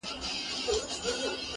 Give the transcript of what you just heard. o په جنگ کي حلوا نه وېشل کېږي!